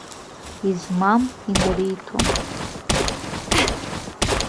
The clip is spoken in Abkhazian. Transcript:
Измам инариҭон.